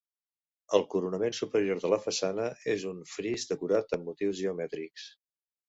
El coronament superior de la façana és un fris decorat amb motius geomètrics.